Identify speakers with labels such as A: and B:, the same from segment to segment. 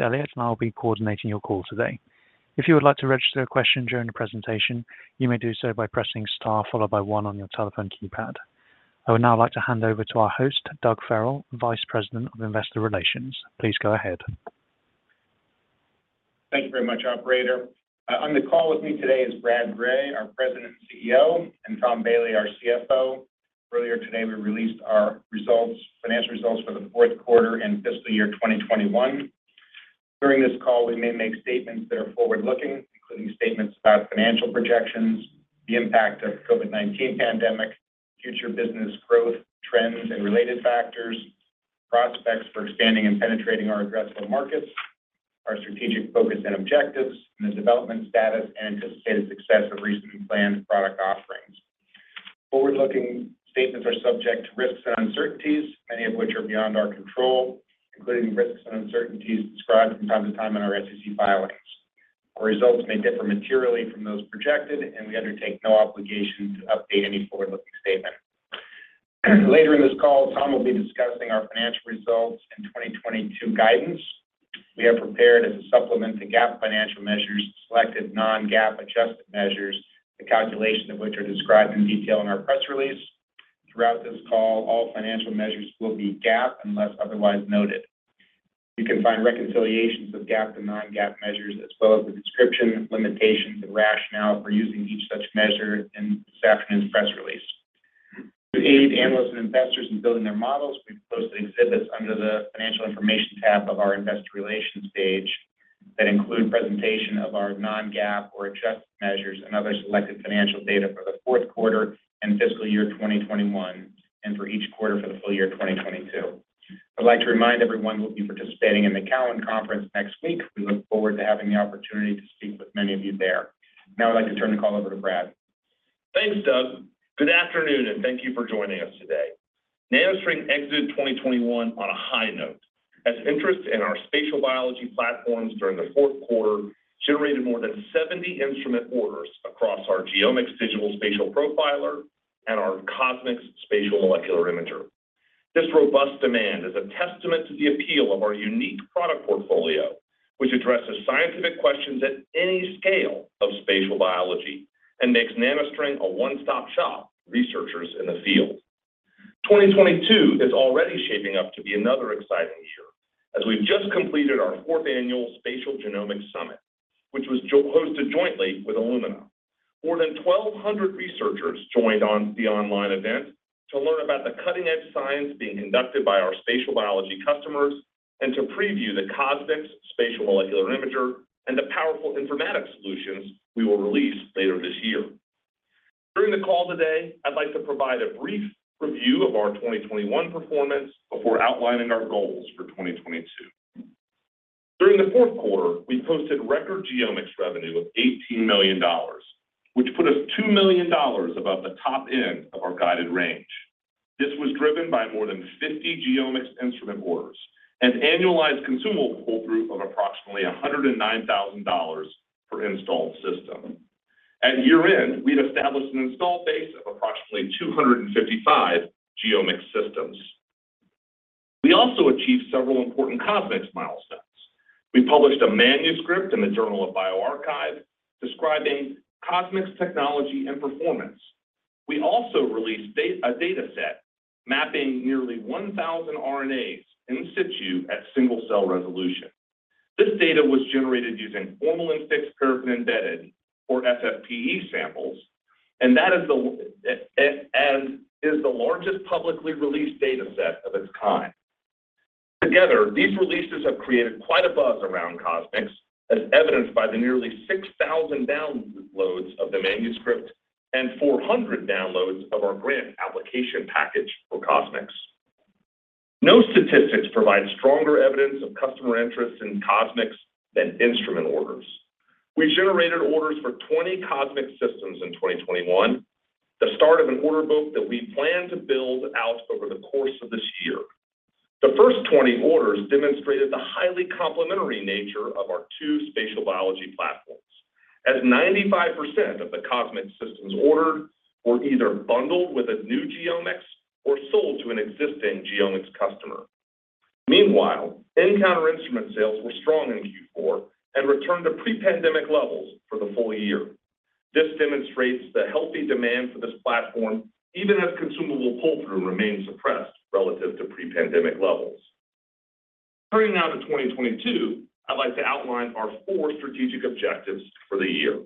A: Elliott and I will be coordinating your call today. If you would like to register a question during the presentation, you may do so by pressing star followed by one on your telephone keypad. I would now like to hand over to our host, Doug Farrell, Vice President of Investor Relations. Please go ahead.
B: Thank you very much, operator. On the call with me today is Brad Gray, our President and CEO and Tom Bailey, our CFO. Earlier today, we released our financial results for the fourth quarter and fiscal year 2021. During this call, we may make statements that are forward-looking, including statements about financial projections, the impact of COVID-19 pandemic, future business growth, trends and related factors, prospects for expanding and penetrating our addressable markets, our strategic focus and objectives and the development status and anticipated success of recent and planned product offerings. Forward-looking statements are subject to risks and uncertainties, many of which are beyond our control, including risks and uncertainties described from time to time in our SEC filings. Our results may differ materially from those projected and we undertake no obligation to update any forward-looking statement. Later in this call, Tom will be discussing our financial results and 2022 guidance. We have prepared as a supplement to GAAP financial measures, selected non-GAAP adjusted measures, the calculation of which are described in detail in our press release. Throughout this call, all financial measures will be GAAP unless otherwise noted. You can find reconciliations of GAAP to non-GAAP measures as well as a description of limitations and rationale for using each such measure in this afternoon's press release. To aid analysts and investors in building their models, we've posted exhibits under the Financial Information tab of our Investor Relations page that include presentation of our non-GAAP or adjusted measures and other selected financial data for the fourth quarter and fiscal year 2021 and for each quarter for the full year 2022. I'd like to remind everyone we'll be participating in the Cowen Conference next week. We look forward to having the opportunity to speak with many of you there. Now I'd like to turn the call over to Brad.
C: Thanks, Doug. Good afternoon and thank you for joining us today. NanoString exited 2021 on a high note as interest in our spatial biology platforms during the fourth quarter generated more than 70 instrument orders across our GeoMx Digital Spatial Profiler and our CosMx Spatial Molecular Imager. This robust demand is a testament to the appeal of our unique product portfolio, which addresses scientific questions at any scale of spatial biology and makes NanoString a one-stop shop for researchers in the field. 2022 is already shaping up to be another exciting year as we've just completed our fourth annual Spatial Genomics Summit, which was hosted jointly with Illumina. More than 1,200 researchers joined the online event to learn about the cutting-edge science being conducted by our spatial biology customers and to preview the CosMx Spatial Molecular Imager and the powerful informatics solutions we will release later this year. During the call today, I'd like to provide a brief review of our 2021 performance before outlining our goals for 2022. During the fourth quarter, we posted record GeoMx revenue of $18 million, which put us $2 million above the top end of our guided range. This was driven by more than 50 GeoMx instrument orders and annualized consumable pull-through of approximately $109,000 per installed system. At year-end, we'd established an install base of approximately 255 GeoMx systems. We also achieved several important CosMx milestones. We published a manuscript in bioRxiv describing CosMx technology and performance. We also released a data set mapping nearly 1,000 RNAs in situ at single-cell resolution. This data was generated using formalin-fixed, paraffin-embedded or FFPE samples and that is the largest publicly released data set of its kind. Together, these releases have created quite a buzz around CosMx, as evidenced by the nearly 6,000 downloads of the manuscript and 400 downloads of our grant application package for CosMx. No statistics provide stronger evidence of customer interest in CosMx than instrument orders. We generated orders for 20 CosMx systems in 2021, the start of an order book that we plan to build out over the course of this year. The first 20 orders demonstrated the highly complementary nature of our two spatial biology platforms, as 95% of the CosMx systems ordered were either bundled with a new GeoMx or sold to an existing GeoMx customer. Meanwhile, nCounter instrument sales were strong in Q4 and returned to pre-pandemic levels for the full year. This demonstrates the healthy demand for this platform, even as consumable pull-through remains suppressed relative to pre-pandemic levels. Turning now to 2022, I'd like to outline our four strategic objectives for the year.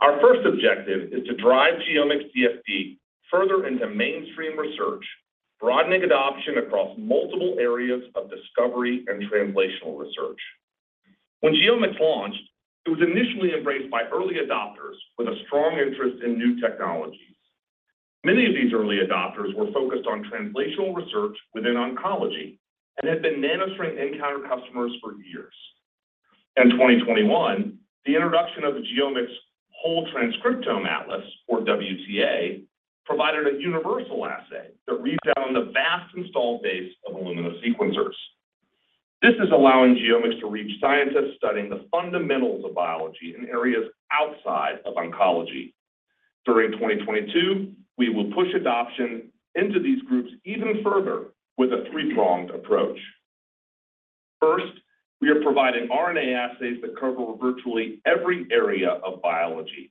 C: Our first objective is to drive GeoMx DSP further into mainstream research, broadening adoption across multiple areas of discovery and translational research. When GeoMx launched, it was initially embraced by early adopters with a strong interest in new technologies. Many of these early adopters were focused on translational research within oncology and had been NanoString nCounter customers for years. In 2021, the introduction of the GeoMx Whole Transcriptome Atlas or WTA, provided a universal assay that reads out on the vast installed base of Illumina sequencers. This is allowing GeoMx to reach scientists studying the fundamentals of biology in areas outside of oncology. During 2022, we will push adoption into these groups even further with a three-pronged approach. First, we are providing RNA assays that cover virtually every area of biology.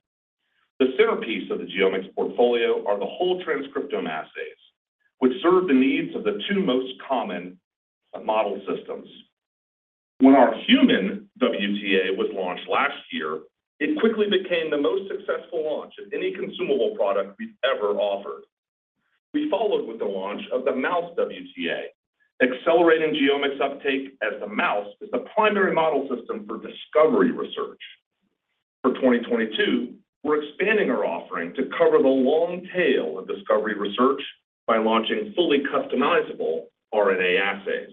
C: The centerpiece of the GeoMx portfolio are the whole transcriptome assays, which serve the needs of the two most common model systems. When our human WTA was launched last year, it quickly became the most successful launch of any consumable product we've ever offered. We followed with the launch of the mouse WTA, accelerating GeoMx uptake as the mouse is the primary model system for discovery research. For 2022, we're expanding our offering to cover the long tail of discovery research by launching fully customizable RNA assays.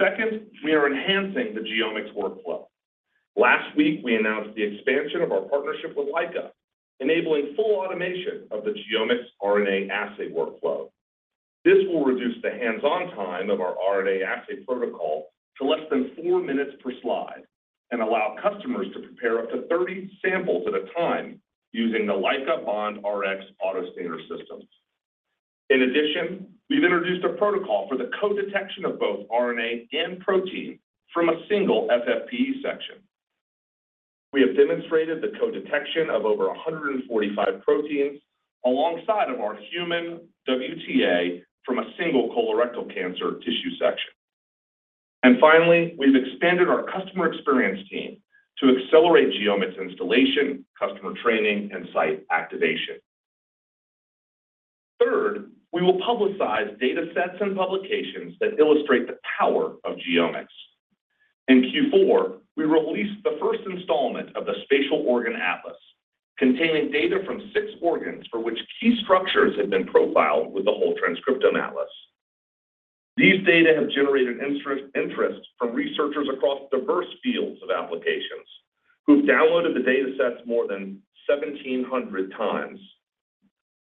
C: Second, we are enhancing the GeoMx workflow. Last week, we announced the expansion of our partnership with Leica, enabling full automation of the GeoMx RNA assay workflow. This will reduce the hands-on time of our RNA assay protocol to less than four minutes per slide and allow customers to prepare up to 30 samples at a time using the Leica BOND RX Autostainer systems. In addition, we've introduced a protocol for the co-detection of both RNA and protein from a single FFPE section. We have demonstrated the co-detection of over 145 proteins alongside of our human WTA from a single colorectal cancer tissue section. Finally, we've expanded our customer experience team to accelerate GeoMx installation, customer training and site activation. Third, we will publicize data sets and publications that illustrate the power of GeoMx. In Q4, we released the first installment of the Spatial Organ Atlas, containing data from six organs for which key structures had been profiled with the Whole Transcriptome Atlas. These data have generated interests from researchers across diverse fields of applications, who've downloaded the data sets more than 1,700 times.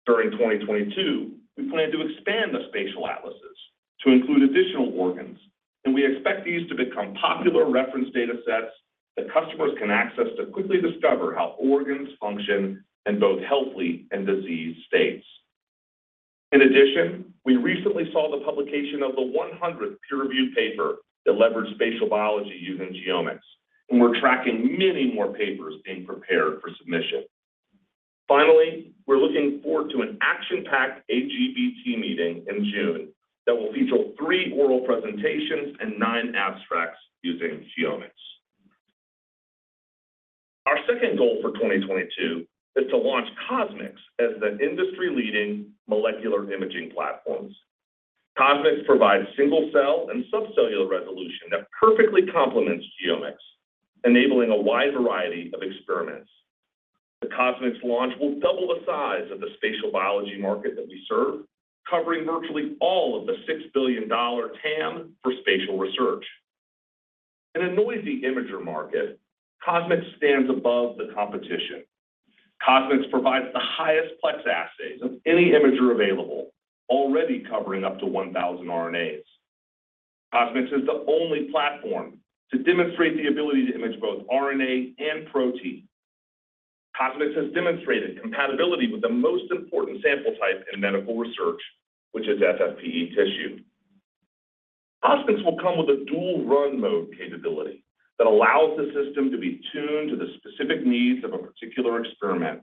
C: During 2022, we plan to expand the spatial atlases to include additional organs and we expect these to become popular reference data sets that customers can access to quickly discover how organs function in both healthy and diseased states. In addition, we recently saw the publication of the 100th peer-reviewed paper that leveraged spatial biology using GeoMx and we're tracking many more papers being prepared for submission. Finally, we're looking forward to an action-packed AGBT meeting in June that will feature three oral presentations and nine abstracts using GeoMx. Our second goal for 2022 is to launch CosMx as an industry-leading molecular imaging platforms. CosMx provides single-cell and subcellular resolution that perfectly complements GeoMx, enabling a wide variety of experiments. The CosMx launch will double the size of the spatial biology market that we serve, covering virtually all of the $6 billion TAM for spatial research. In a noisy imager market, CosMx stands above the competition. CosMx provides the highest plex assays of any imager available, already covering up to 1,000 RNAs. CosMx is the only platform to demonstrate the ability to image both RNA and protein. CosMx has demonstrated compatibility with the most important sample type in medical research, which is FFPE tissue. CosMx will come with a dual run mode capability that allows the system to be tuned to the specific needs of a particular experiment,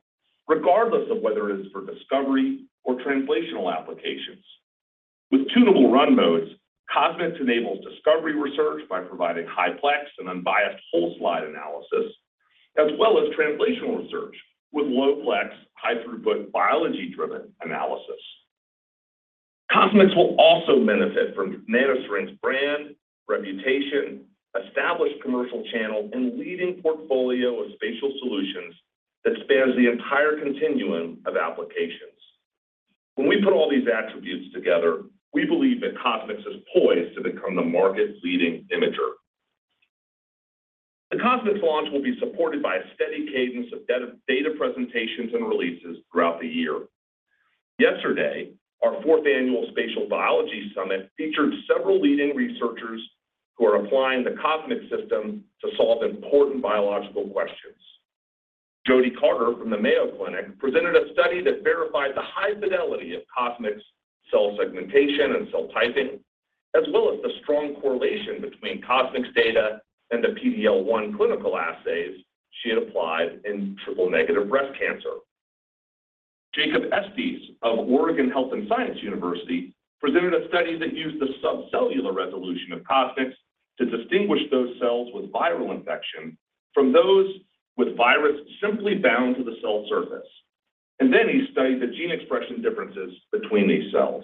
C: regardless of whether it is for discovery or translational applications. With tunable run modes, CosMx enables discovery research by providing high-plex and unbiased whole slide analysis, as well as translational research with low-plex, high-throughput, biology-driven analysis. CosMx will also benefit from NanoString's brand, reputation, established commercial channel and leading portfolio of spatial solutions that spans the entire continuum of applications. When we put all these attributes together, we believe that CosMx is poised to become the market-leading imager. The CosMx launch will be supported by a steady cadence of data presentations and releases throughout the year. Yesterday, our fourth annual Spatial Biology Summit featured several leading researchers who are applying the CosMx system to solve important biological questions. Jodi Carter from the Mayo Clinic presented a study that verified the high fidelity of CosMx cell segmentation and cell typing, as well as the strong correlation between CosMx data and the PDL1 clinical assays she had applied in triple-negative breast cancer. Jacob Estes of Oregon Health & Science University presented a study that used the subcellular resolution of CosMx to distinguish those cells with viral infection from those with virus simply bound to the cell surface and then he studied the gene expression differences between these cells.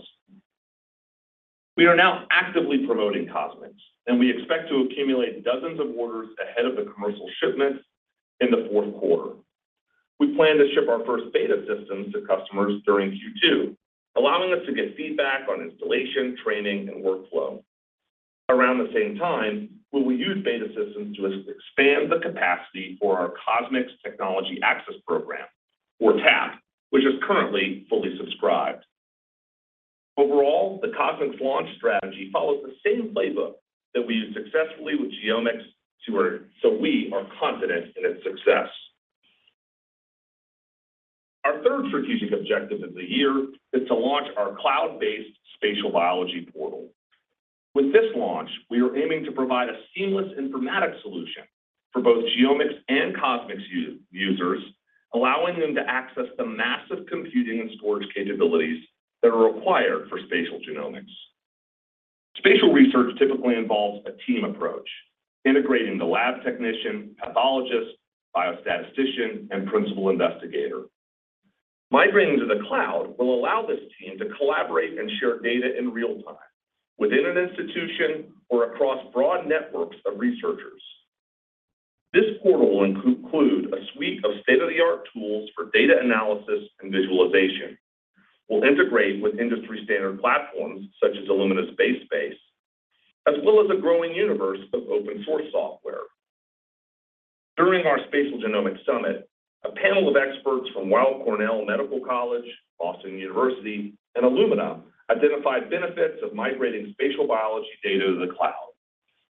C: We are now actively promoting CosMx and we expect to accumulate dozens of orders ahead of the commercial shipments in the fourth quarter. We plan to ship our first beta systems to customers during Q2, allowing us to get feedback on installation, training and workflow. Around the same time we will use beta systems to expand the capacity for our CosMx Technology Access Program or TAP, which is currently fully subscribed. Overall, the CosMx launch strategy follows the same playbook that we used successfully with GeoMx. We are confident in its success. Our third strategic objective of the year is to launch our cloud-based spatial biology portal. With this launch, we are aiming to provide a seamless informatics solution for both GeoMx and CosMx users. Allowing them to access the massive computing and storage capabilities that are required for spatial genomics. Spatial research typically involves a team approach, integrating the lab technician, pathologist, biostatistician and principal investigator. Migrating to the cloud will allow this team to collaborate and share data in real time within an institution or across broad networks of researchers. This portal will include a suite of state-of-the-art tools for data analysis and visualization, will integrate with industry-standard platforms such as Illumina BaseSpace, as well as a growing universe of open-source software. During our Spatial Genomics Summit, a panel of experts from Weill Cornell Medicine, Boston University and Illumina identified benefits of migrating spatial biology data to the cloud,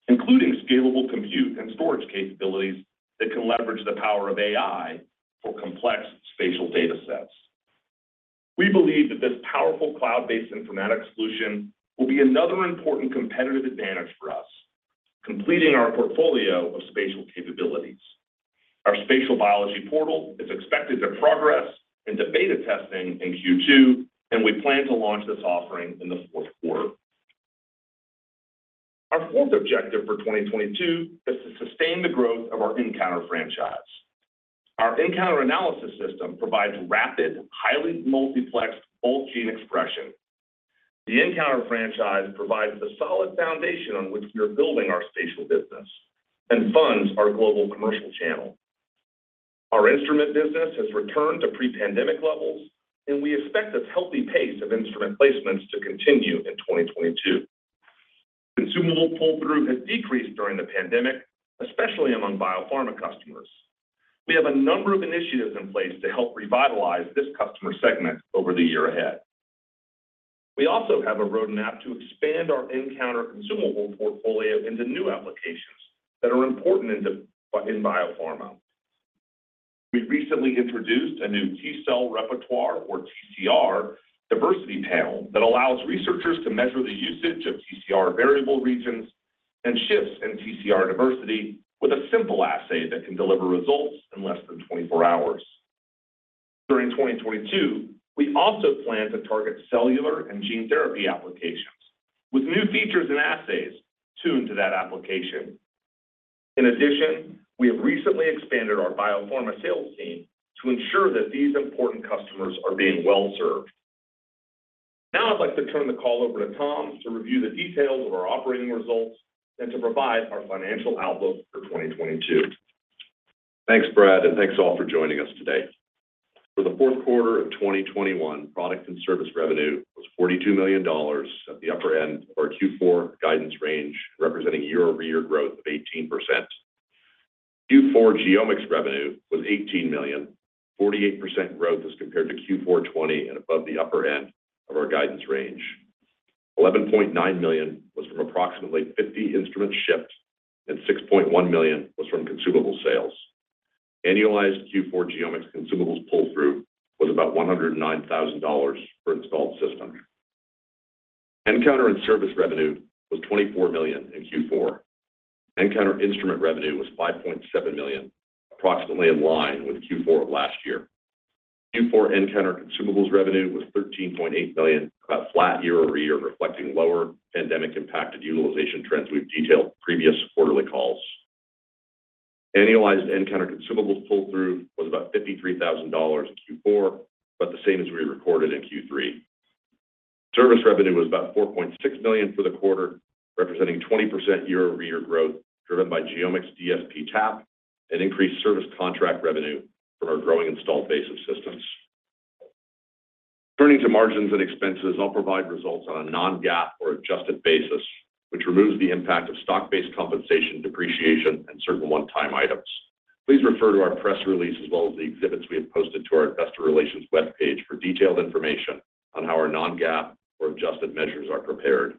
C: including scalable compute and storage capabilities that can leverage the power of AI for complex spatial datasets. We believe that this powerful cloud-based informatics solution will be another important competitive advantage for us, completing our portfolio of spatial capabilities. Our spatial biology portal is expected to progress into beta testing in Q2 and we plan to launch this offering in the fourth quarter. Our fourth objective for 2022 is to sustain the growth of our nCounter franchise. Our nCounter analysis system provides rapid, highly multiplexed, gold gene expression. The nCounter franchise provides the solid foundation on which we are building our spatial business and funds our global commercial channel. Our instrument business has returned to pre-pandemic levels and we expect this healthy pace of instrument placements to continue in 2022. Consumable pull-through has decreased during the pandemic, especially among biopharma customers. We have a number of initiatives in place to help revitalize this customer segment over the year ahead. We also have a roadmap to expand our nCounter consumable portfolio into new applications that are important in biopharma. We recently introduced a new T cell repertoire or TCR diversity panel that allows researchers to measure the usage of TCR variable regions and shifts in TCR diversity with a simple assay that can deliver results in less than 24 hours. During 2022, we also plan to target cellular and gene therapy applications with new features and assays tuned to that application. In addition, we have recently expanded our biopharma sales team to ensure that these important customers are being well-served. Now I'd like to turn the call over to Tom to review the details of our operating results and to provide our financial outlook for 2022.
D: Thanks, Brad and thanks all for joining us today. For the fourth quarter of 2021, product and service revenue was $42 million at the upper end of our Q4 guidance range, representing year-over-year growth of 18%. Q4 GeoMx revenue was $18 million, 48% growth as compared to Q4 2020 and above the upper end of our guidance range. $11.9 million was from approximately 50 instrument ships and $6.1 million was from consumable sales. Annualized Q4 GeoMx consumables pull-through was about $109,000 per installed system. nCounter and service revenue was $24 million in Q4. nCounter instrument revenue was $5.7 million, approximately in line with Q4 of last year. Q4 nCounter consumables revenue was $13.8 million, about flat year over year, reflecting lower pandemic impacted utilization trends we've detailed previous quarterly calls. Annualized nCounter consumables pull-through was about $53,000 in Q4, about the same as we recorded in Q3. Service revenue was about $4.6 million for the quarter, representing 20% year-over-year growth, driven by GeoMx DSP TAP and increased service contract revenue from our growing installed base of systems. Turning to margins and expenses, I'll provide results on a non-GAAP or adjusted basis, which removes the impact of stock-based compensation, depreciation and certain one-time items. Please refer to our press release as well as the exhibits we have posted to our investor relations webpage for detailed information on how our non-GAAP or adjusted measures are prepared.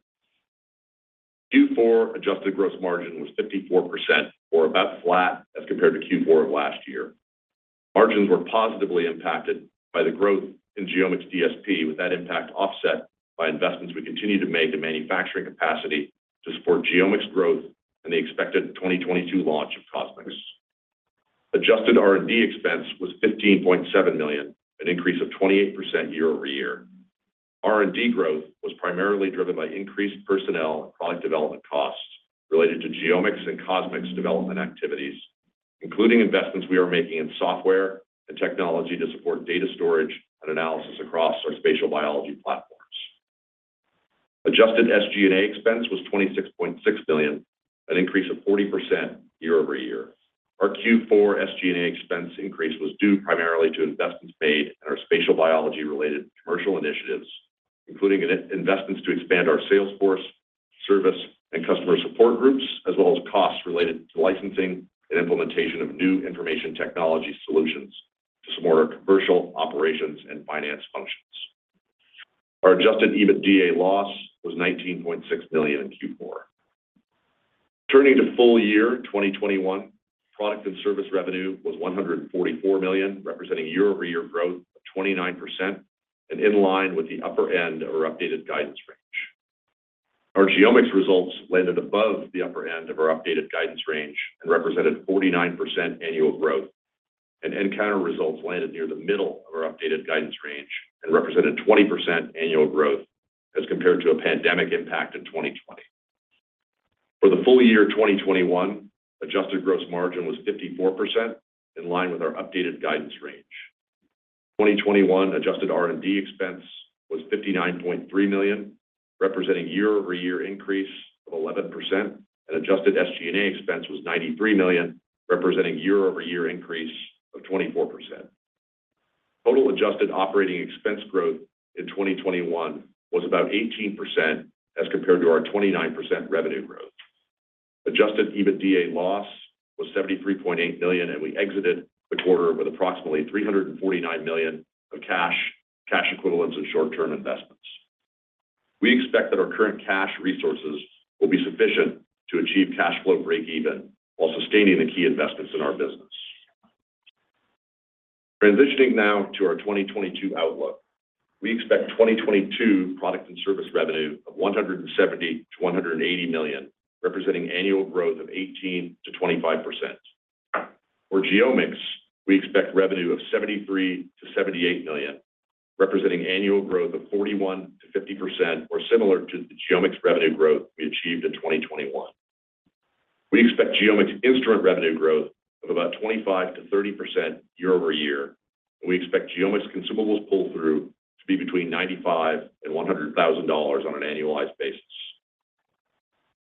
D: Q4 adjusted gross margin was 54% or about flat as compared to Q4 of last year. Margins were positively impacted by the growth in GeoMx DSP, with that impact offset by investments we continue to make to manufacturing capacity to support GeoMx growth and the expected 2022 launch of CosMx. Adjusted R&D expense was $15.7 million, an increase of 28% year-over-year. R&D growth was primarily driven by increased personnel and product development costs related to GeoMx and CosMx development activities, including investments we are making in software and technology to support data storage and analysis across our spatial biology platforms. Adjusted SG&A expense was $26.6 million, an increase of 40% year-over-year. Our Q4 SG&A expense increase was due primarily to investments made in our spatial biology-related commercial initiatives. Including investments to expand our sales force, service and customer support groups, as well as costs related to licensing and implementation of new information technology solutions to support our commercial operations and finance functions. Our adjusted EBITDA loss was $19.6 million in Q4. Turning to full year 2021, product and service revenue was $144 million, representing year-over-year growth of 29% and in line with the upper end of our updated guidance range. Our GeoMx results landed above the upper end of our updated guidance range and represented 49% annual growth. nCounter results landed near the middle of our updated guidance range and represented 20% annual growth as compared to a pandemic impact in 2020. For the full year 2021, adjusted gross margin was 54% in line with our updated guidance range. 2021 adjusted R&D expense was $59.3 million, representing year-over-year increase of 11%. Adjusted SG&A expense was $93 million, representing year-over-year increase of 24%. Total adjusted operating expense growth in 2021 was about 18% as compared to our 29% revenue growth. Adjusted EBITDA loss was $73.8 million and we exited the quarter with approximately $349 million of cash equivalents and short-term investments. We expect that our current cash resources will be sufficient to achieve cash flow breakeven while sustaining the key investments in our business. Transitioning now to our 2022 outlook. We expect 2022 product and service revenue of $170 million-$180 million, representing annual growth of 18%-25%. For GeoMx, we expect revenue of $73 million-$78 million, representing annual growth of 41%-50% or similar to the GeoMx revenue growth we achieved in 2021. We expect GeoMx instrument revenue growth of about 25%-30% year over year and we expect GeoMx consumables pull-through to be between $95,000 and $100,000 on an annualized basis.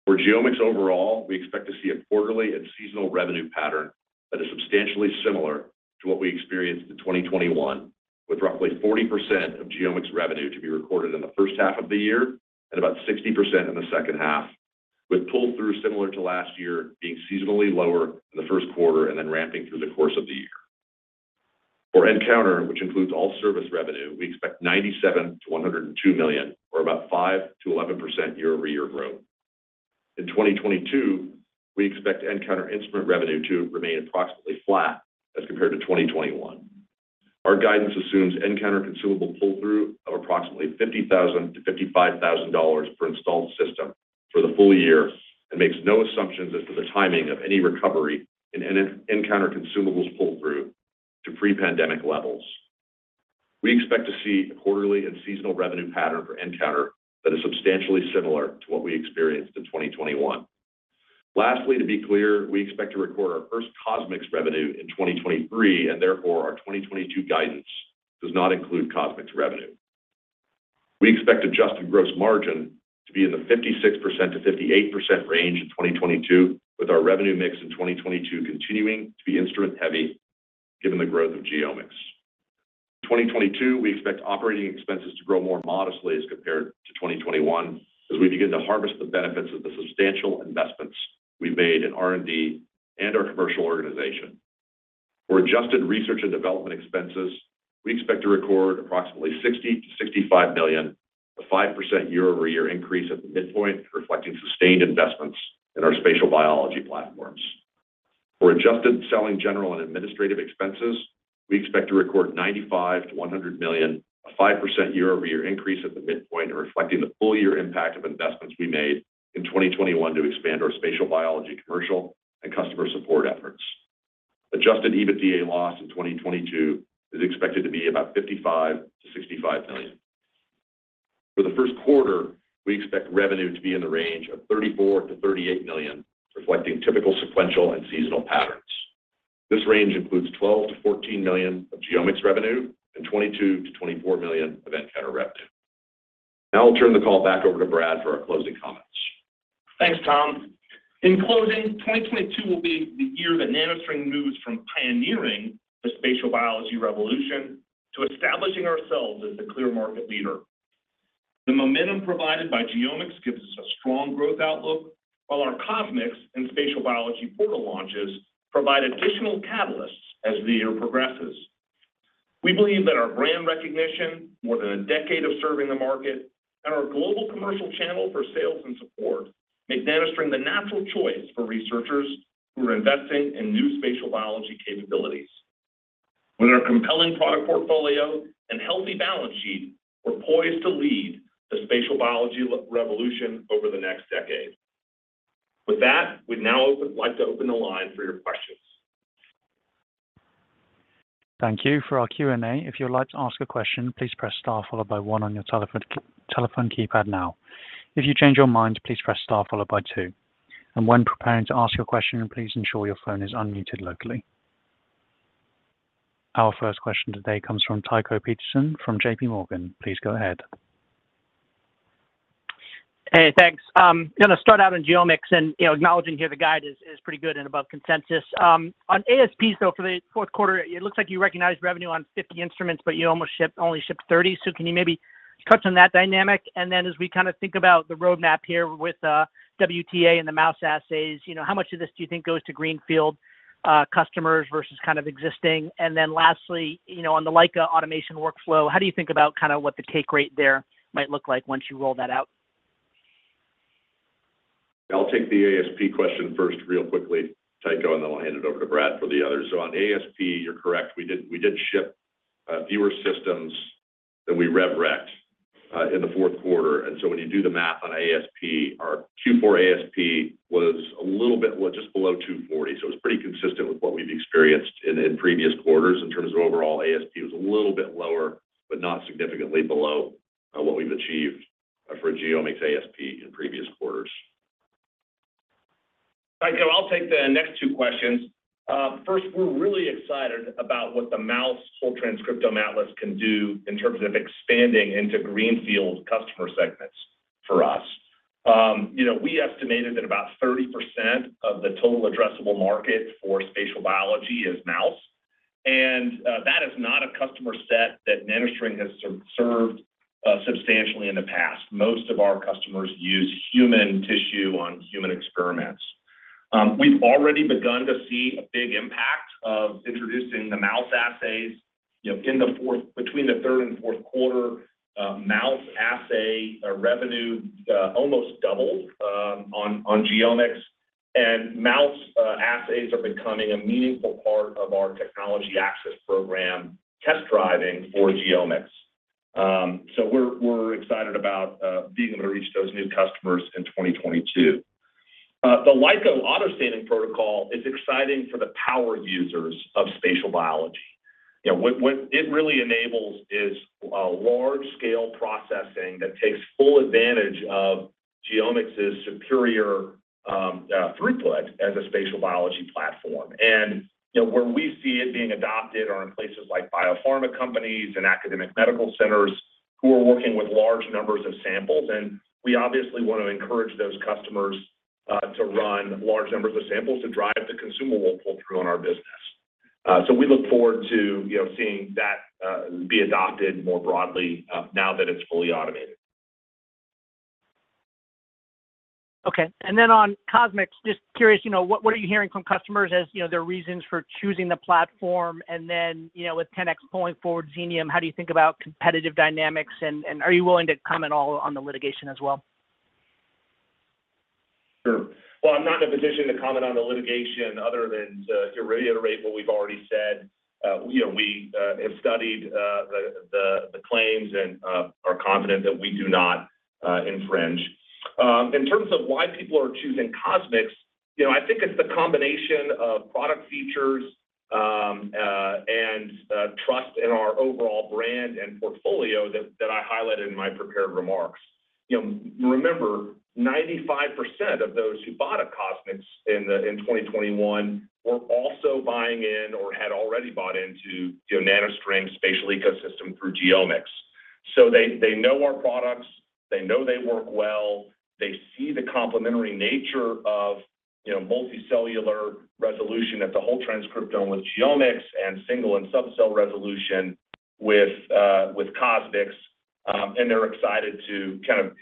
D: For GeoMx overall, we expect to see a quarterly and seasonal revenue pattern that is substantially similar to what we experienced in 2021, with roughly 40% of GeoMx revenue to be recorded in the first half of the year and about 60% in the second half, with pull-through similar to last year being seasonally lower in the first quarter and then ramping through the course of the year. For nCounter, which includes all service revenue, we expect $97 million-$102 million or about 5%-11% year-over-year growth. In 2022, we expect nCounter instrument revenue to remain approximately flat as compared to 2021. Our guidance assumes nCounter consumable pull-through of approximately $50,000-$55,000 per installed system for the full year and makes no assumptions as to the timing of any recovery in nCounter consumables pull-through to pre-pandemic levels. We expect to see a quarterly and seasonal revenue pattern for nCounter that is substantially similar to what we experienced in 2021. Lastly, to be clear, we expect to record our first CosMx revenue in 2023 and therefore our 2022 guidance does not include CosMx revenue. We expect adjusted gross margin to be in the 56%-58% range in 2022, with our revenue mix in 2022 continuing to be instrument-heavy given the growth of GeoMx. In 2022, we expect operating expenses to grow more modestly as compared to 2021 as we begin to harvest the benefits of the substantial investments we made in R&D and our commercial organization. For adjusted research and development expenses, we expect to record approximately $60 million-$65 million, a 5% year-over-year increase at the midpoint, reflecting sustained investments in our spatial biology platforms. For adjusted selling, general and administrative expenses, we expect to record $95 million-$100 million, a 5% year-over-year increase at the midpoint and reflecting the full year impact of investments we made in 2021 to expand our spatial biology commercial and customer support efforts. Adjusted EBITDA loss in 2022 is expected to be about $55 million-$65 million. For the first quarter, we expect revenue to be in the range of $34 million-$38 million, reflecting typical sequential and seasonal patterns. This range includes $12 million-$14 million of GeoMx revenue and $22 million-$24 million of nCounter revenue. Now I'll turn the call back over to Brad for our closing comments.
C: Thanks, Tom. In closing, 2022 will be the year that NanoString moves from pioneering the spatial biology revolution to establishing ourselves as the clear market leader. The momentum provided by GeoMx gives us a strong growth outlook, while our CosMx and Spatial Biology Portal launches provide additional catalysts as the year progresses. We believe that our brand recognition, more than a decade of serving the market and our global commercial channel for sales and support make NanoString the natural choice for researchers who are investing in new spatial biology capabilities. With our compelling product portfolio and healthy balance sheet, we're poised to lead the spatial biology revolution over the next decade. With that, we'd now like to open the line for your questions.
A: Thank you. For our Q&A, if you would like to ask a question, please press star followed by one on your telephone keypad now. If you change your mind, please press star followed by two. When preparing to ask your question, please ensure your phone is unmuted locally. Our first question today comes from Tycho Peterson from JPMorgan. Please go ahead.
E: Hey, thanks. Going to start out in GeoMx and, you know, acknowledging here the guide is pretty good and above consensus. On ASPs, though, for the fourth quarter, it looks like you recognized revenue on 50 instruments but you only shipped 30. Can you maybe touch on that dynamic? As we kind of think about the roadmap here with WTA and the mouse assays, you know, how much of this do you think goes to greenfield customers versus kind of existing? Lastly, you know, on the Leica automation workflow, how do you think about kind of what the take rate there might look like once you roll that out?
D: I'll take the ASP question first real quickly, Tycho and then I'll hand it over to Brad for the others. On ASP, you're correct. We did ship fewer systems than we rev rec in the fourth quarter. When you do the math on ASP, our Q4 ASP was just below $240. It was pretty consistent with what we've experienced in previous quarters in terms of overall ASP. It was a little bit lower but not significantly below what we've achieved for GeoMx ASP in previous quarters.
C: Tycho, I'll take the next two questions. First, we're really excited about what the Mouse Whole Transcriptome Atlas can do in terms of expanding into greenfield customer segments for us. You know, we estimated that about 30% of the total addressable market for spatial biology is mouse. That is not a customer set that NanoString has served substantially in the past. Most of our customers use human tissue on human experiments. We've already begun to see a big impact of introducing the mouse assays, you know, between the third and fourth quarter, mouse assay revenue almost doubled on GeoMx. Mouse assays are becoming a meaningful part of our technology access program, test driving for GeoMx. We're excited about being able to reach those new customers in 2022. The Leica auto staining protocol is exciting for the power users of spatial biology. You know, what it really enables is large-scale processing that takes full advantage of GeoMx's superior throughput as a spatial biology platform. You know, where we see it being adopted are in places like biopharma companies and academic medical centers who are working with large numbers of samples. We obviously want to encourage those customers to run large numbers of samples to drive the consumable pull-through on our business. We look forward to, you know, seeing that be adopted more broadly now that it's fully automated.
E: Okay. On CosMx, just curious, you know, what are you hearing from customers as, you know, their reasons for choosing the platform? You know, with 10x Genomics pulling forward Xenium, how do you think about competitive dynamics and are you willing to comment at all on the litigation as well?
C: Sure. Well, I'm not in a position to comment on the litigation other than to reiterate what we've already said. You know, we have studied the claims and are confident that we do not infringe. In terms of why people are choosing CosMx, you know, I think it's the combination of product features and trust in our overall brand and portfolio that I highlighted in my prepared remarks. You know, remember, 95% of those who bought a CosMx in 2021 were also buying in or had already bought into, you know, NanoString's spatial ecosystem through GeoMx. So they know our products, they know they work well. They see the complementary nature of, you know, multicellular resolution at the whole transcriptome with GeoMx and single and sub-cell resolution with CosMx and they're excited to kind of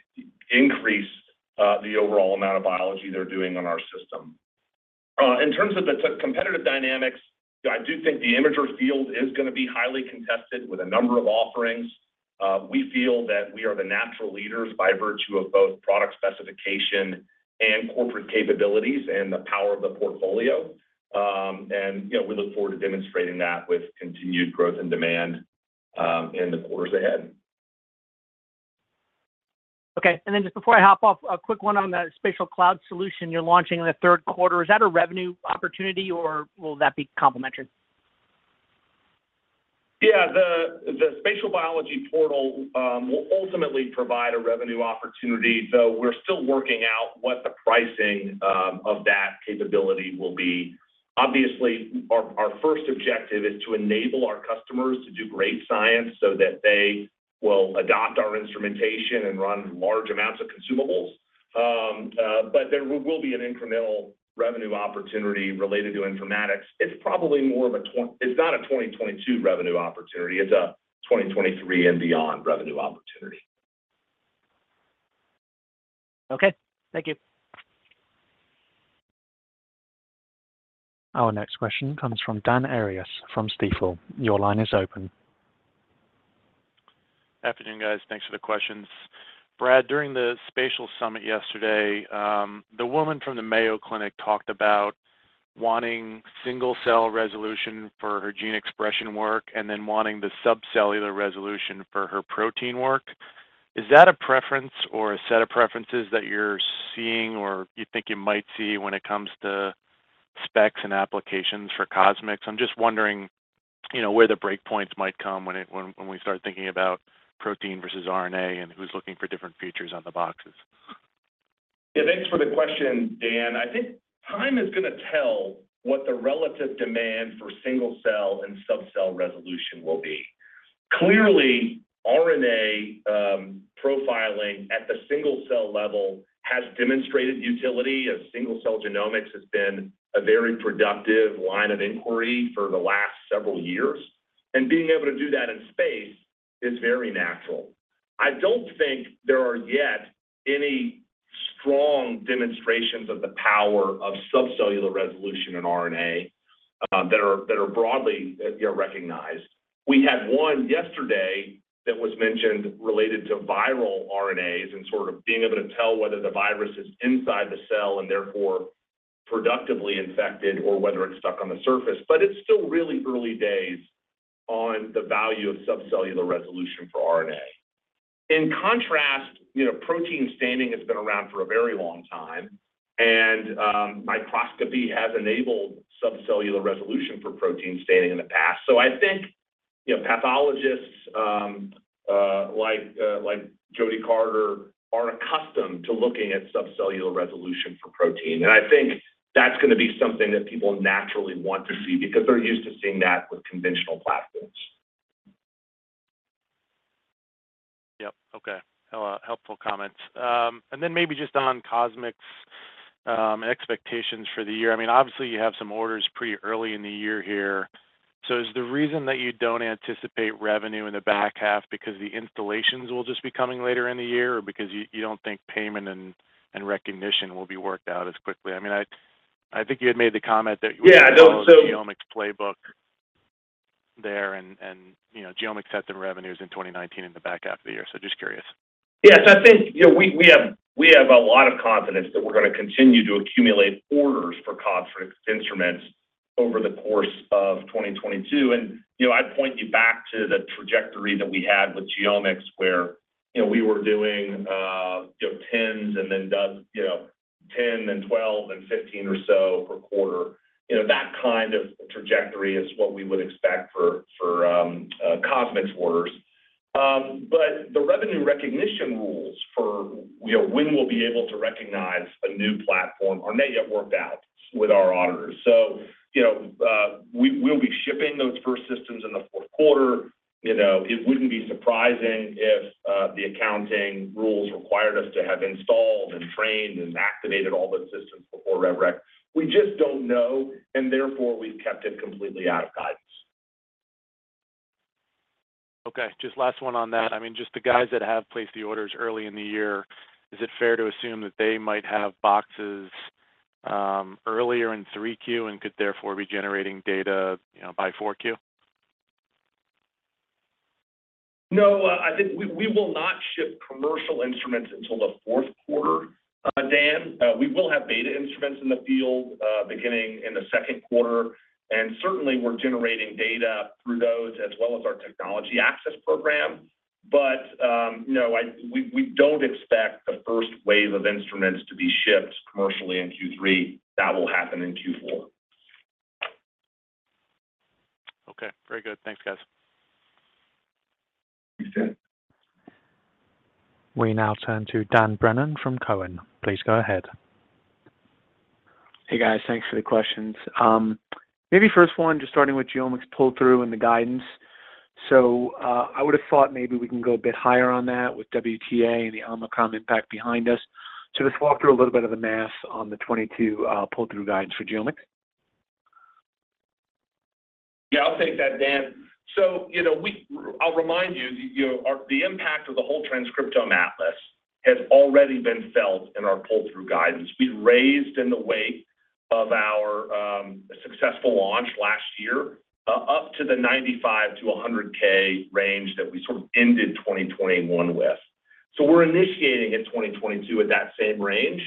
C: increase the overall amount of biology they're doing on our system. In terms of the competitive dynamics, I do think the imager field is going to be highly contested with a number of offerings. We feel that we are the natural leaders by virtue of both product specification and corporate capabilities and the power of the portfolio. You know, we look forward to demonstrating that with continued growth and demand in the quarters ahead.
E: Okay. Just before I hop off, a quick one on the spatial cloud solution you're launching in the third quarter. Is that a revenue opportunity or will that be complementary?
C: Yeah. The spatial biology portal will ultimately provide a revenue opportunity, though we're still working out what the pricing of that capability will be. Obviously, our first objective is to enable our customers to do great science so that they will adopt our instrumentation and run large amounts of consumables. But there will be an incremental revenue opportunity related to informatics. It's probably more of a. It's not a 2022 revenue opportunity. It's a 2023 and beyond revenue opportunity.
E: Okay. Thank you.
A: Our next question comes from Dan Arias from Stifel. Your line is open.
F: Good afternoon, guys. Thanks for the questions. Brad, during the spatial summit yesterday, the woman from the Mayo Clinic talked about wanting single-cell resolution for her gene expression work and then wanting the sub-cellular resolution for her protein work. Is that a preference or a set of preferences that you're seeing or you think you might see when it comes to specs and applications for CosMx? I'm just wondering, you know, where the breakpoints might come when we start thinking about protein versus RNA and who's looking for different features on the boxes.
C: Yeah, thanks for the question, Dan. I think time is gonna tell what the relative demand for single-cell and sub-cell resolution will be. Clearly, RNA profiling at the single-cell level has demonstrated utility of single-cell genomics has been a very productive line of inquiry for the last several years and being able to do that in space is very natural. I don't think there are yet any strong demonstrations of the power of sub-cellular resolution in RNA that are broadly, you know, recognized. We had one yesterday that was mentioned related to viral RNAs and sort of being able to tell whether the virus is inside the cell and therefore productively infected or whether it's stuck on the surface. It's still really early days on the value of sub-cellular resolution for RNA. In contrast, you know, protein staining has been around for a very long time and microscopy has enabled sub-cellular resolution for protein staining in the past. So I think, you know, pathologists, like Jodi Carter are accustomed to looking at sub-cellular resolution for protein. I think that's gonna be something that people naturally want to see because they're used to seeing that with conventional platforms.
F: Yep. Okay. Helpful comments. Maybe just on CosMx, expectations for the year. I mean, obviously, you have some orders pretty early in the year here. Is the reason that you don't anticipate revenue in the back half because the installations will just be coming later in the year or because you don't think payment and recognition will be worked out as quickly? I mean, I think you had made the comment that GeoMx playbook there and, you know, GeoMx had some revenues in 2019 in the back half of the year, so just curious.
C: Yes. I think, you know, we have a lot of confidence that we're gonna continue to accumulate orders for CosMx instruments over the course of 2022. You know, I'd point you back to the trajectory that we had with GeoMx, where, you know, we were doing, you know, tens and then dozens, you know, 10 and 12 and 15 or so per quarter. You know, that kind of trajectory is what we would expect for CosMx orders. The revenue recognition rules for, you know, when we'll be able to recognize a new platform are not yet worked out with our auditors. You know, we'll be shipping those first systems in the fourth quarter. You know, it wouldn't be surprising if the accounting rules required us to have installed and trained and activated all those systems before rev rec. We just don't know and therefore, we've kept it completely out of guidance.
F: Okay, just last one on that. I mean, just the guys that have placed the orders early in the year, is it fair to assume that they might have boxes earlier in 3Q and could therefore be generating data, you know, by 4Q?
C: No. I think we will not ship commercial instruments until the fourth quarter, Dan. We will have beta instruments in the field beginning in the second quarter and certainly, we're generating data through those as well as our technology access program. You know, we don't expect the first wave of instruments to be shipped commercially in Q3. That will happen in Q4.
F: Okay. Very good. Thanks, guys.
C: Thanks, Dan.
A: We now turn to Dan Brennan from Cowen. Please go ahead.
G: Hey, guys. Thanks for the questions. Maybe first one, just starting with GeoMx pull-through and the guidance. I would have thought maybe we can go a bit higher on that with WTA and the Omicron impact behind us. Just walk through a little bit of the math on the 2022 pull-through guidance for GeoMx.
C: Yeah, I'll take that, Dan. You know, I'll remind you, the impact of the Whole Transcriptome Atlas has already been felt in our pull-through guidance. We raised in the wake of our successful launch last year, up to the $95,000-$100,000 range that we sort of ended 2021 with. We're initiating in 2022 at that same range,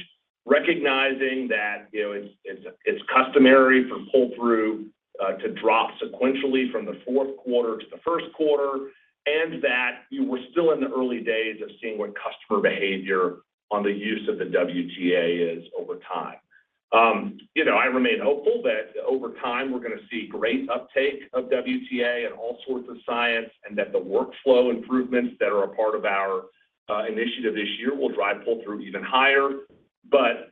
C: recognizing that, you know, it's customary for pull-through to drop sequentially from the fourth quarter to the first quarter and that we're still in the early days of seeing what customer behavior on the use of the WTA is over time. You know, I remain hopeful that over time we're gonna see great uptake of WTA and all sorts of science and that the workflow improvements that are a part of our initiative this year will drive pull-through even higher.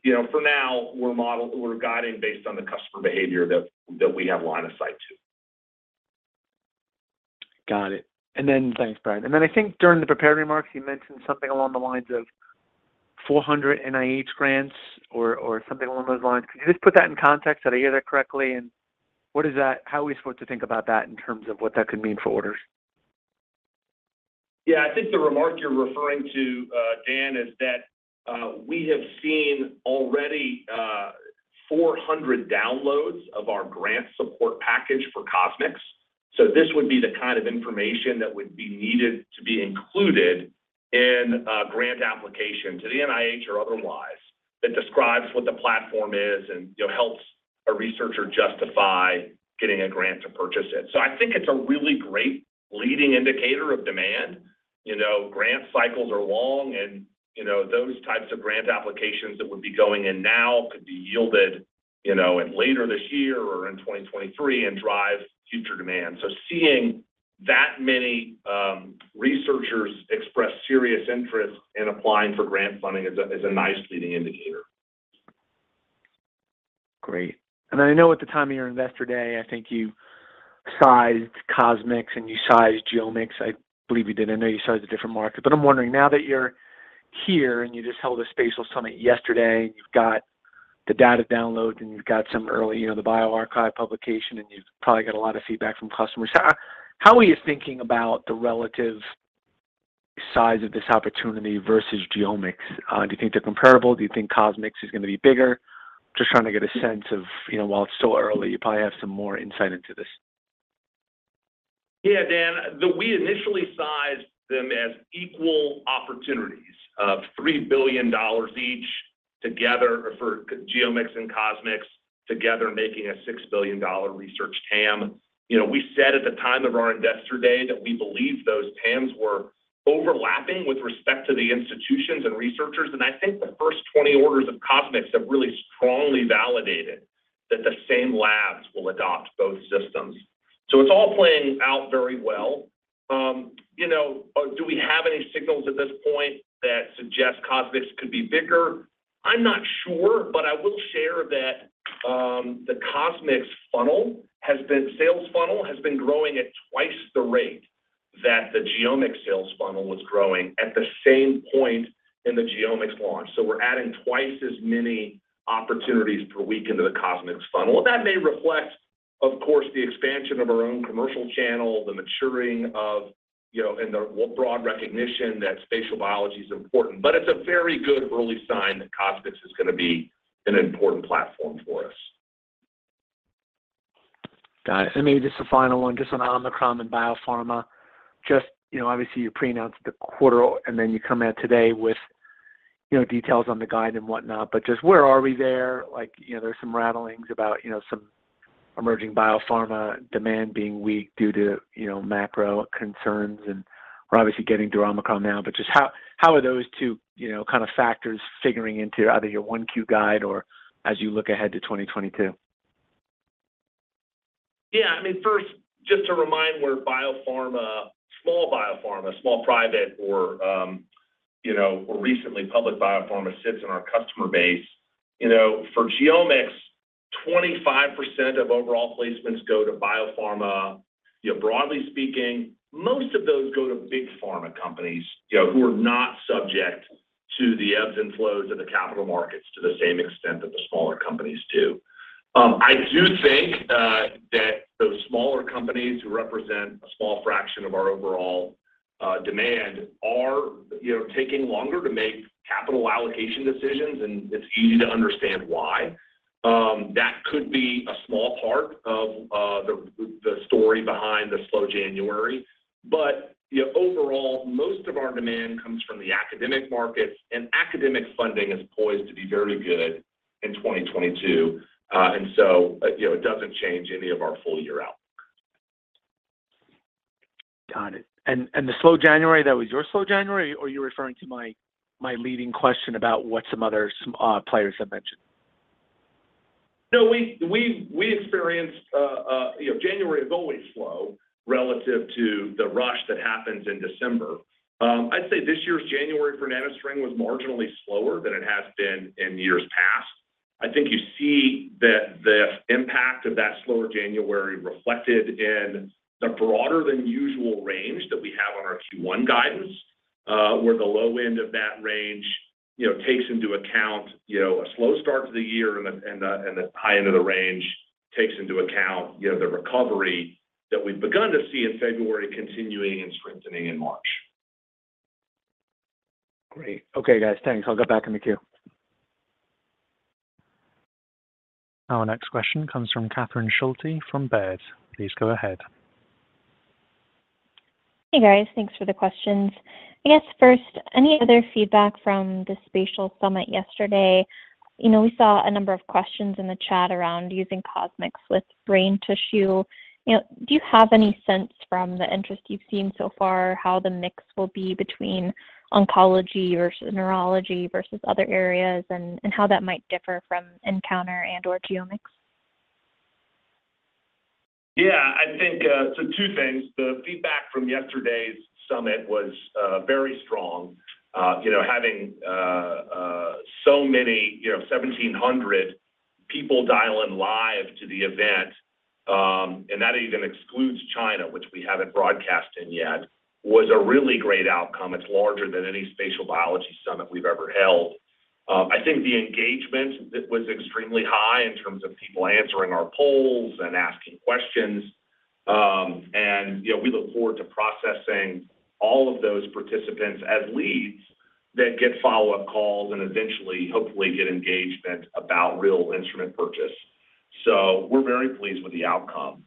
C: You know, for now, we're guiding based on the customer behavior that we have line of sight to.
G: Got it. Thanks, Brad. I think during the prepared remarks, you mentioned something along the lines of 400 NIH grants or something along those lines. Could you just put that in context, did I hear that correctly and what is that, how are we supposed to think about that in terms of what that could mean for orders?
C: Yeah. I think the remark you're referring to, Dan, is that we have seen already 400 downloads of our grant support package for CosMx. So this would be the kind of information that would be needed to be included in a grant application to the NIH or otherwise that describes what the platform is and, you know, helps a researcher justify getting a grant to purchase it. So I think it's a really great leading indicator of demand. You know, grant cycles are long and, you know, those types of grant applications that would be going in now could be yielded, you know, in later this year or in 2023 and drive future demand. So seeing that many researchers express serious interest in applying for grant funding is a nice leading indicator.
G: Great. I know at the time of your investor day, I think you sized CosMx and you sized GeoMx. I believe you did. I know you sized a different market. I'm wondering now that you're here and you just held a spatial summit yesterday and you've got the data download and you've got some early, you know, the bioRxiv publication and you've probably got a lot of feedback from customers. How are you thinking about the relative size of this opportunity versus GeoMx? Do you think they're comparable? Do you think CosMx is gonna be bigger? Just trying to get a sense of, you know, while it's still early, you probably have some more insight into this.
C: Yeah, Dan, we initially sized them as equal opportunities of $3 billion each together for GeoMx and CosMx together making a $6 billion research TAM. You know, we said at the time of our investor day that we believed those TAMs were overlapping with respect to the institutions and researchers. I think the first 20 orders of CosMx have really strongly validated that the same labs will adopt both systems. It's all playing out very well. You know, do we have any signals at this point that suggest CosMx could be bigger? I'm not sure but I will share that the CosMx sales funnel has been growing at twice the rate that the GeoMx sales funnel was growing at the same point in the GeoMx launch. We're adding twice as many opportunities per week into the CosMx funnel. That may reflect, of course, the expansion of our own commercial channel, the maturing of, you know and the broad recognition that spatial biology is important. It's a very good early sign that CosMx is gonna be an important platform for us.
G: Got it. Maybe just a final one, just on Omicron and biopharma. Just, you know, obviously, you pre-announced the quarter and then you come out today with, you know, details on the guide and whatnot. Just where are we there? Like, you know, there's some rumblings about, you know, some emerging biopharma demand being weak due to, you know, macro concerns and we're obviously getting through Omicron now. Just how are those two, you know, kind of factors figuring into either your 1Q guide or as you look ahead to 2022?
C: Yeah. I mean, first, just to remind where biopharma, small biopharma, small private or, you know or recently public biopharma sits in our customer base. You know, for GeoMx, 25% of overall placements go to biopharma. You know, broadly speaking, most of those go to big pharma companies, you know, who are not subject to the ebbs and flows of the capital markets to the same extent that the smaller companies do. I do think that those smaller companies who represent a small fraction of our overall demand are, you know, taking longer to make capital allocation decisions and it's easy to understand why. That could be a small part of the story behind the slow January. You know, overall, most of our demand comes from the academic markets and academic funding is poised to be very good in 2022. You know, it doesn't change any of our full year outlook.
G: Got it. The slow January, that was your slow January or you're referring to my leading question about what some other players have mentioned?
C: No, we experienced, you know, January is always slow relative to the rush that happens in December. I'd say this year's January for NanoString was marginally slower than it has been in years past. I think you see that the impact of that slower January reflected in the broader than usual range that we have on our Q1 guidance, where the low end of that range, you know, takes into account, you know, a slow start to the year and the high end of the range takes into account, you know, the recovery that we've begun to see in February continuing and strengthening in March.
G: Great. Okay, guys. Thanks. I'll go back in the queue.
A: Our next question comes from Catherine Schulte from Baird. Please go ahead.
H: Hey, guys. Thanks for the questions. I guess first, any other feedback from the Spatial Summit yesterday? You know, we saw a number of questions in the chat around using CosMx with brain tissue. You know, do you have any sense from the interest you've seen so far how the mix will be between oncology versus neurology versus other areas and how that might differ from nCounter and or GeoMx?
C: Yeah. I think two things. The feedback from yesterday's summit was very strong. You know, having so many, you know, 1,700 people dial in live to the event and that even excludes China, which we haven't broadcast in yet, was a really great outcome. It's larger than any Spatial Biology Summit we've ever held. I think the engagement was extremely high in terms of people answering our polls and asking questions. You know, we look forward to processing all of those participants as leads that get follow-up calls and eventually, hopefully, get engagement about real instrument purchase. We're very pleased with the outcome.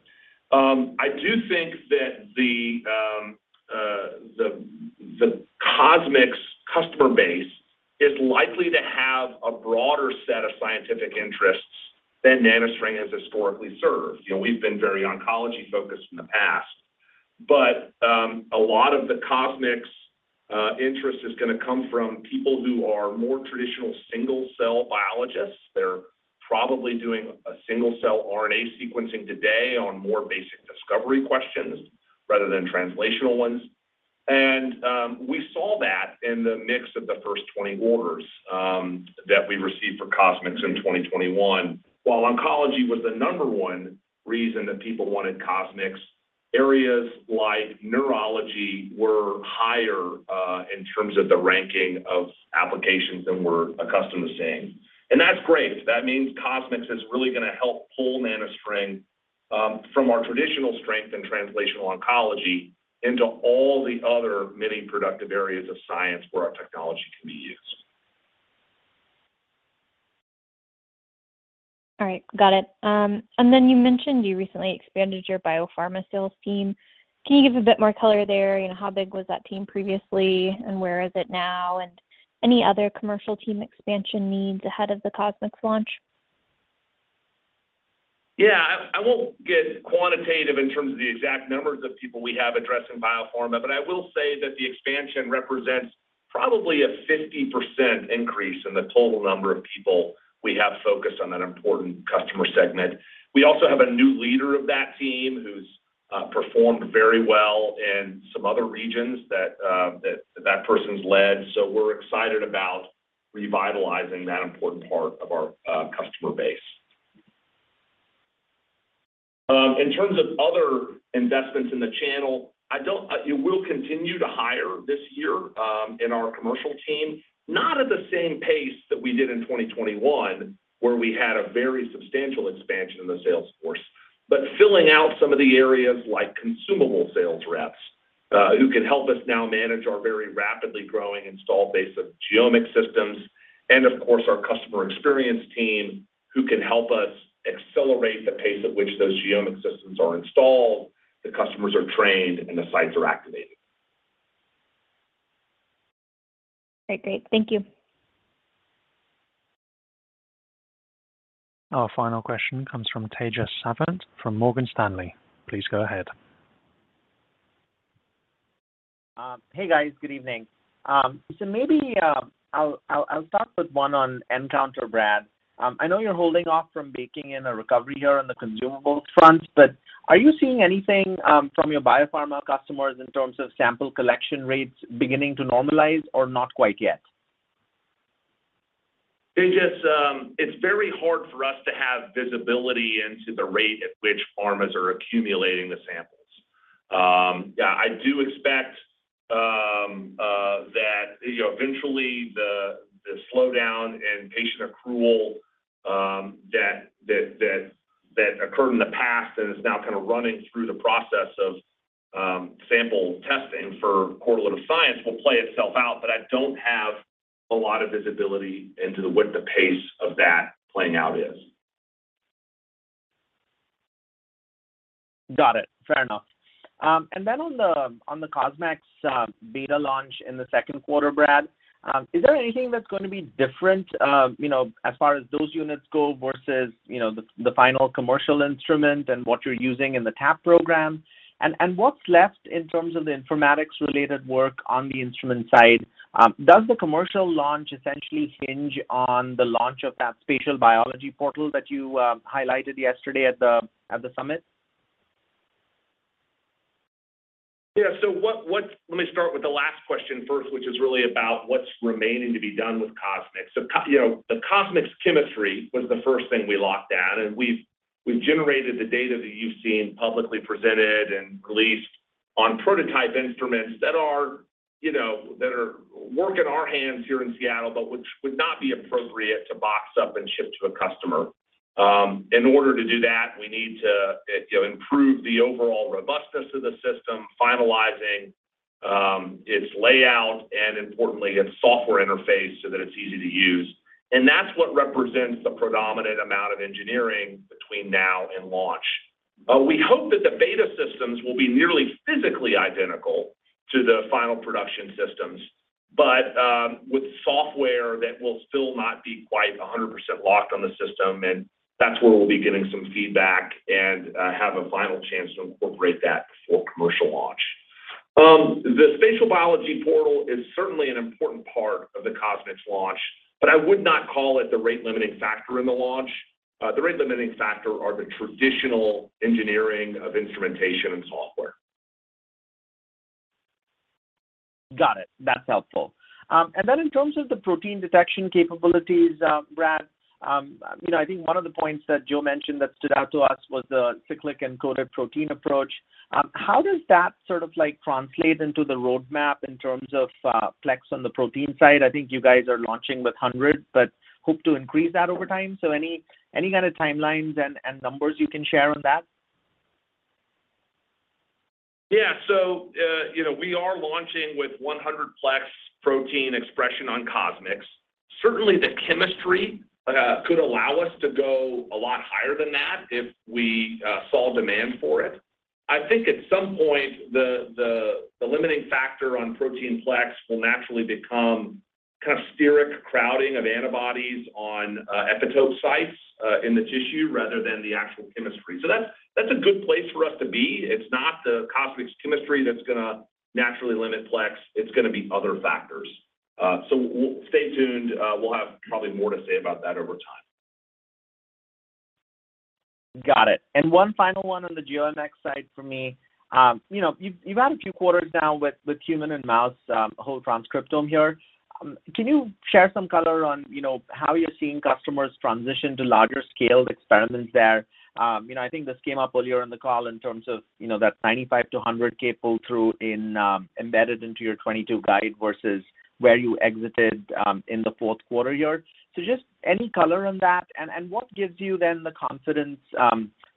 C: I do think that the CosMx customer base is likely to have a broader set of scientific interests than NanoString has historically served. You know, we've been very oncology-focused in the past but a lot of the CosMx interest is going to come from people who are more traditional single cell biologists. They're probably doing a single cell RNA sequencing today on more basic discovery questions rather than translational ones. We saw that in the mix of the first 20 orders that we received for CosMx in 2021. While oncology was the number one reason that people wanted CosMx, areas like neurology were higher in terms of the ranking of applications than we're accustomed to seeing. That's great. That means CosMx is really going to help pull NanoString from our traditional strength in translational oncology into all the other many productive areas of science where our technology can be used.
H: All right. Got it. You mentioned you recently expanded your biopharma sales team. Can you give a bit more color there? You know, how big was that team previously and where is it now and any other commercial team expansion needs ahead of the CosMx launch?
C: Yeah. I won't get quantitative in terms of the exact numbers of people we have addressing biopharma but I will say that the expansion represents probably a 50% increase in the total number of people we have focused on that important customer segment. We also have a new leader of that team who's performed very well in some other regions that that person's led. We're excited about revitalizing that important part of our customer base. In terms of other investments in the channel, we will continue to hire this year in our commercial team, not at the same pace that we did in 2021, where we had a very substantial expansion in the sales force but filling out some of the areas like consumable sales reps, who can help us now manage our very rapidly growing installed base of genomic systems and of course, our customer experience team, who can help us accelerate the pace at which those genomic systems are installed, the customers are trained and the sites are activated.
H: Great. Great. Thank you.
A: Our final question comes from Tejas Savant from Morgan Stanley. Please go ahead.
I: Hey, guys. Good evening. Maybe I'll start with one on nCounter, Brad. I know you're holding off from baking in a recovery here on the consumables front but are you seeing anything from your biopharma customers in terms of sample collection rates beginning to normalize or not quite yet?
C: Tejas, it's very hard for us to have visibility into the rate at which pharma's are accumulating the samples. Yeah, I do expect that, you know, eventually the slowdown in patient accrual that occurred in the past and is now kind of running through the process of sample testing for correlative science will play itself out. But I don't have a lot of visibility into what the pace of that playing out is.
I: Got it. Fair enough. And then on the CosMx beta launch in the second quarter, Brad, is there anything that's going to be different, you know, as far as those units go versus the final commercial instrument and what you're using in the TAP program? What's left in terms of the informatics related work on the instrument side? Does the commercial launch essentially hinge on the launch of that spatial biology portal that you highlighted yesterday at the summit?
C: Let me start with the last question first, which is really about what's remaining to be done with CosMx. You know, the CosMx chemistry was the first thing we locked down and we've generated the data that you've seen publicly presented and released on prototype instruments that are, you know, that are working in our hands here in Seattle but which would not be appropriate to box up and ship to a customer. In order to do that, we need to, you know, improve the overall robustness of the system, finalizing its layout and importantly its software interface so that it's easy to use. That's what represents the predominant amount of engineering between now and launch. We hope that the beta systems will be nearly physically identical to the final production systems but with software that will still not be quite 100% locked on the system and that's where we'll be getting some feedback and have a final chance to incorporate that before commercial launch. The spatial biology portal is certainly an important part of the CosMx launch but I would not call it the rate limiting factor in the launch. The rate limiting factor are the traditional engineering of instrumentation and software.
I: Got it. That's helpful. Then in terms of the protein detection capabilities, Brad, you know, I think one of the points that Joe mentioned that stood out to us was the cyclic encoded protein approach. How does that sort of like translate into the roadmap in terms of plex on the protein side? I think you guys are launching with 100 but hope to increase that over time. Any kind of timelines and numbers you can share on that?
C: Yeah. You know, we are launching with 100-plex protein expression on CosMx. Certainly, the chemistry could allow us to go a lot higher than that if we saw demand for it. I think at some point the limiting factor on protein plex will naturally become kind of steric crowding of antibodies on epitope sites in the tissue rather than the actual chemistry. That's a good place for us to be. It's not the CosMx chemistry that's gonna naturally limit plex, it's gonna be other factors. We'll stay tuned. We'll have probably more to say about that over time.
I: Got it. One final one on the GeoMx side for me. You know, you've had a few quarters now with human and mouse whole transcriptome here. Can you share some color on, you know, how you're seeing customers transition to larger scale experiments there? You know, I think this came up earlier in the call in terms of, you know, that 95-100K pull-through in embedded into your 2022 guide versus where you exited in the fourth quarter year. Just any color on that and what gives you then the confidence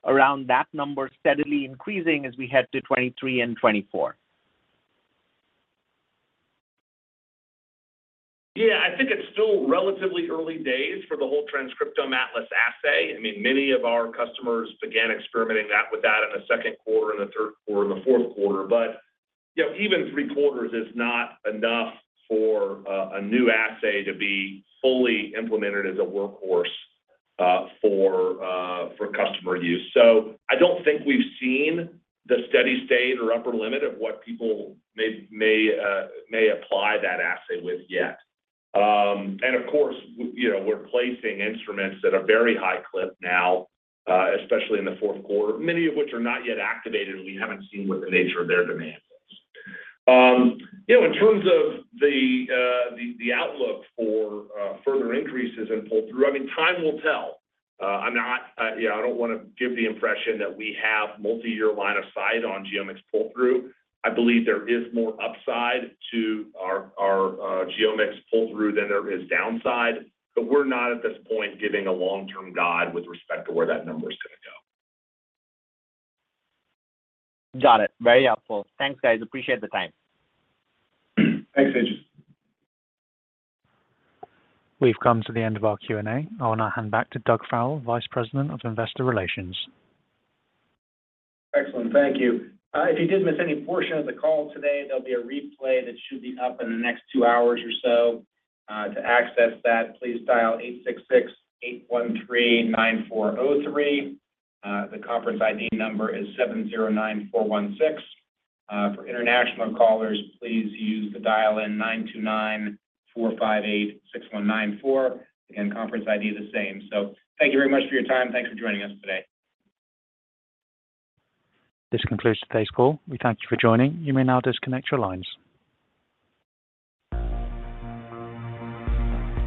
I: around that number steadily increasing as we head to 2023 and 2024?
C: Yeah. I think it's still relatively early days for the Whole Transcriptome Atlas assay. I mean, many of our customers began experimenting with that in the second quarter and the third quarter and the fourth quarter. You know, even three quarters is not enough for a new assay to be fully implemented as a workhorse for customer use. I don't think we've seen the steady state or upper limit of what people may apply that assay with yet. Of course, you know, we're placing instruments at a very high clip now, especially in the fourth quarter, many of which are not yet activated and we haven't seen what the nature of their demand is. You know, in terms of the outlook for further increases in pull-through, I mean, time will tell. I'm not, you know, I don't want to give the impression that we have multi-year line of sight on GeoMx pull-through. I believe there is more upside to our GeoMx pull-through than there is downside but we're not at this point giving a long-term guide with respect to where that number is gonna go.
I: Got it. Very helpful. Thanks, guys. Appreciate the time.
C: Thanks, Tejas Savant.
A: We've come to the end of our Q&A. I'll now hand back to Doug Farrell, Vice President of Investor Relations.
B: Excellent. Thank you. If you did miss any portion of the call today, there'll be a replay that should be up in the next two hours or so. To access that, please dial 866-813-9403. The conference ID number is 709416. For international callers, please use the dial-in 929-458-6194 and conference ID is the same. Thank you very much for your time. Thanks for joining us today.
A: This concludes today's call. We thank you for joining. You may now disconnect your lines.